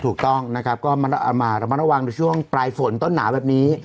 ถูกต้องนะครับก็มาระมัดระวังในช่วงปลายฝนต้นหนาวแบบนี้